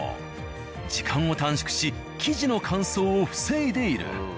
時間を短縮し生地の乾燥を防いでいる。